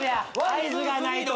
合図がないと。